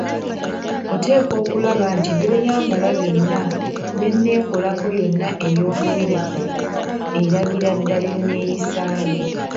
Oteekwa okulaba nti by'oyambala byonna n‘enneekolako yonna ey‘omubiri gwo eragira ddala enneeyisaayo.